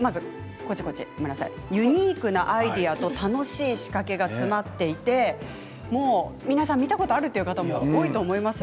ユニークなアイデアと楽しい仕掛けが詰まっていて皆さん見たことあるというのが多いと思います。